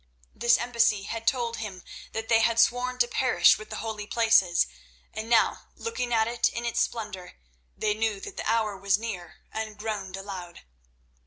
This embassy had told him that they had sworn to perish with the holy Places, and now, looking at it in its splendour, they knew that the hour was near, and groaned aloud.